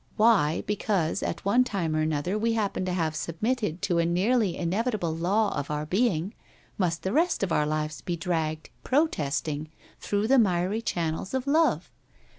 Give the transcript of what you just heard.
Why, because, at one time or another we happen to have sub mitted to a nearly inevitable law of our being, must the rest of our lives be dragged, protesting, through the miry channels of love?